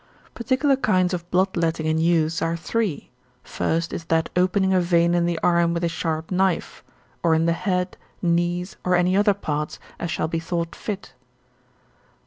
Particular kinds of bloodletting in use are three, first is that opening a vein in the arm with a sharp knife, or in the head, knees, or any other parts, as shall be thought fit.